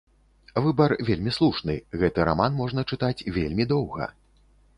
Выбар вельмі слушны, гэты раман можна чытаць вельмі доўга.